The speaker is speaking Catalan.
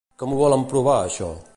Com ho volen provar això?